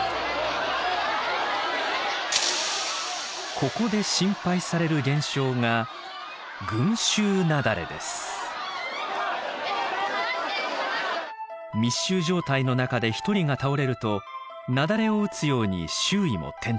ここで心配される現象が密集状態の中で１人が倒れると雪崩を打つように周囲も転倒。